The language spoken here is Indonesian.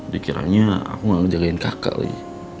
dikiranya aku gak ngejagain kakak lagi